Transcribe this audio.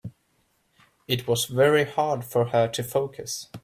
It was very hard for her to focus.